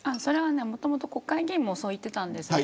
もともと国会議員もそう言ってたんです。